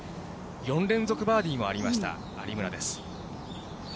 ４連続バーディーもありました、有村です。